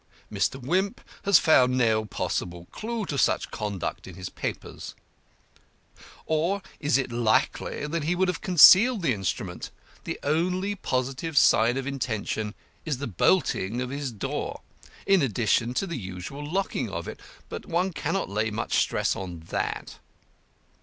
Mr. Wimp has found no possible clue to such conduct in his papers. Or is it likely he would have concealed the instrument? The only positive sign of intention is the bolting of his door in addition to the usual locking of it, but one cannot lay much stress on that.